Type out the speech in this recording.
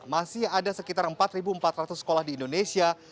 masih ada sekitar empat empat ratus sekolah di indonesia